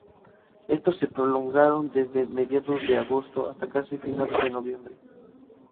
Estos se prolongaron desde mediados de agosto hasta casi finales de noviembre.